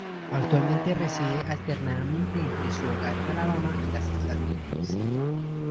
Actualmente reside alternadamente entre su hogar en Alabama y las Islas Vírgenes.